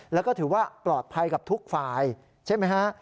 แล้วก็ถือว่าปลอดภัยกับทุกฝ่ายใช่ไหมฮะ